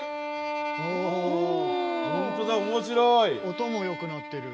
音も良くなってる。